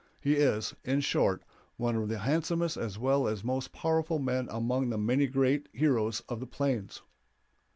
He is, in short, one of the handsomest as well as most powerful men among the many great heroes of the plains.